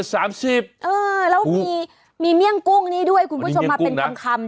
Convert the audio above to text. แล้วมีเมี่ยงกุ้งนี้ด้วยคุณผู้ชมมาเป็นคำ